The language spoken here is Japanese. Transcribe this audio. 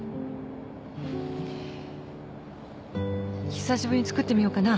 久しぶりに作ってみようかな。